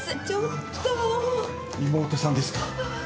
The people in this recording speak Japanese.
何と妹さんですか。